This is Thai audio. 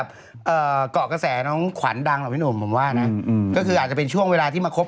ไปยืนงงหน้าโรงพยาบาล